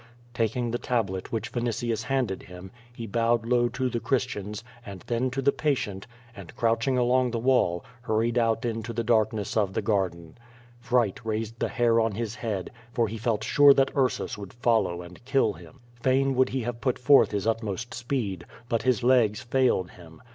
Taking the tablet which Vinitius handed him, he bowed low to the Christians, and then to the patient, and crouching along the wall, hurried out into the darkness of the garden. Fright raised the hair on his head, QUO VADIS. 195 for he felt sure that Ursus would follow and kill him. Fain would he have put forth his utmost speed, but his legs failed him.